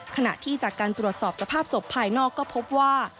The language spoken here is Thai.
ขณะที่จากการตรวจสอบสภาพศพภายนอกก็พบว่า